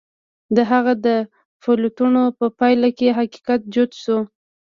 د هغه د پلټنو په پايله کې حقيقت جوت شو.